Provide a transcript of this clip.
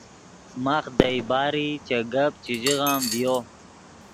ماخ دئے باری چے گپ چے ژیغم ڤیو